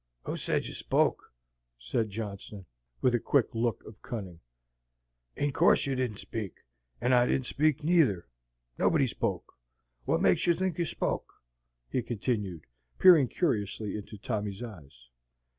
"Who said you spoke?" said Johnson, with a quick look of cunning. "In course you didn't speak, and I didn't speak, neither. Nobody spoke. Wot makes you think you spoke?" he continued, peering curiously into Tommy's eyes.